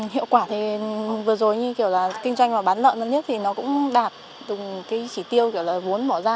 hiệu quả thì vừa rồi như kiểu là kinh doanh và bán lợn nhất thì nó cũng đạt từng cái chỉ tiêu kiểu lời vốn bỏ ra